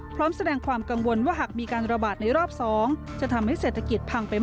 พร้อมแสดงความว่าถ้ามีการระบาดในรอบสอง